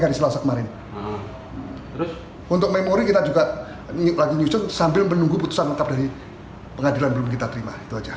ini lagi nyusun sambil menunggu putusan lengkap dari pengadilan belum kita terima